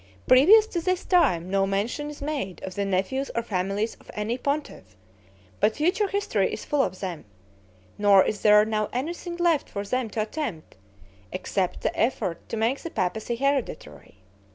Previous to his time no mention is made of the nephews or families of any pontiff, but future history is full of them; nor is there now anything left for them to attempt, except the effort to make the papacy hereditary.